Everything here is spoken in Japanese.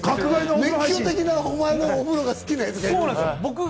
熱狂的なお前のお風呂が好きなやつが。